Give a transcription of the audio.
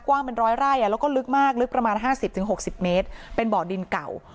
กว้างเป็นร้อยไร่แล้วก็ลึกมากลึกประมาณ๕๐๖๐เมตรเป็นบ่อดินเก่า